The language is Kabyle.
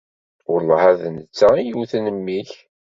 Wellah ar d netta ay yewwten mmi-k!